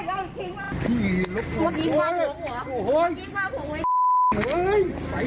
โอ้ย